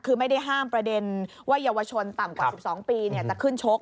คือไม่ได้ห้ามประเด็นว่าเยาวชนต่ำกว่า๑๒ปีจะขึ้นชก